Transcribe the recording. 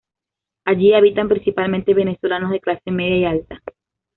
Allí habitan principalmente venezolanos de clase media y alta.